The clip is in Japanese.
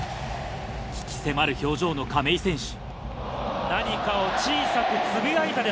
鬼気迫る表情の亀井選手。